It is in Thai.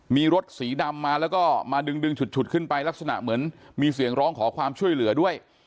มีรถสีดำมาแล้วก็มาดึงฉุดขึ้นไปลักษณะเหมือนมีเสียงร้องขอความช่วยเหลือด้วย